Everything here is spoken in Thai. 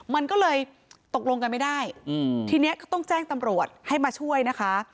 มันก็เลยตกลงกันไม่ได้ทีนี้ก็ต้องแจ้งตำรวจให้มาช่วยนะคะ